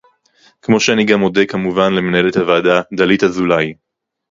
כמו שאני גם מודה כמובן למנהלת הוועדה דלית אזולאי